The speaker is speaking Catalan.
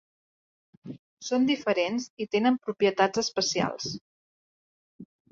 Són diferents i tenen propietats especials.